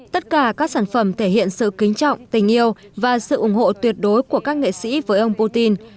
tất cả các sản phẩm thể hiện sự kính trọng tình yêu và sự ủng hộ tuyệt đối của các nghệ sĩ với ông putin